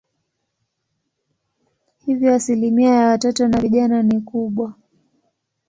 Hivyo asilimia ya watoto na vijana ni kubwa.